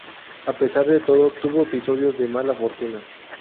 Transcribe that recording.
A pesar de todo, tuvo episodios de mala fortuna.